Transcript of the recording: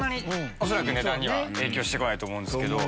恐らく値段には影響して来ないと思うんすけど。